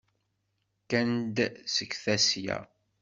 Kkant-d seg Tasya.